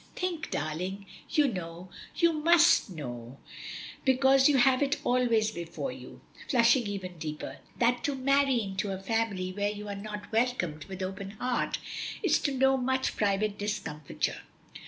"Think, darling! You know you must know, because you have it always before you," flushing even deeper, "that to marry into a family where you are not welcomed with open heart is to know much private discomfiture."